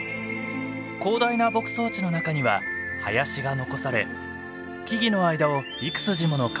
広大な牧草地の中には林が残され木々の間を幾筋もの川が流れています。